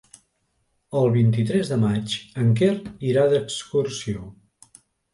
El vint-i-tres de maig en Quer irà d'excursió.